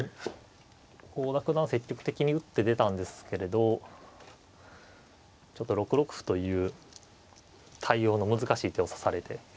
郷田九段積極的に打って出たんですけれどちょっと６六歩という対応の難しい手を指されて。